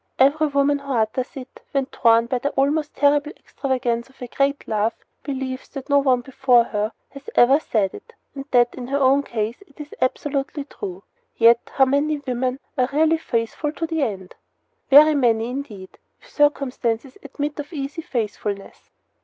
Every woman who utters it, when torn by the almost terrible extravagance of a great love, believes that no one before her has ever said it, and that in her own case it is absolutely true. Yet, how many women are really faithful to the end? Very many, indeed, if circumstances admit of easy faithfulness.